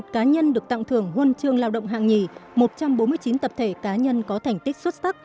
một cá nhân được tặng thưởng huân chương lao động hạng nhì một trăm bốn mươi chín tập thể cá nhân có thành tích xuất sắc